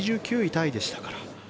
タイでしたから。